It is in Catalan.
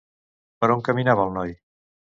Per on caminava el noi?